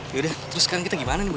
yaudah terus kan kita gimana nih boy